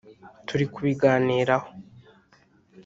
’’ Turi kubiganiraho